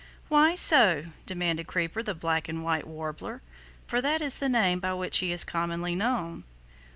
"Why so?" demanded Creeper the Black and White Warbler, for that is the name by which he is commonly known.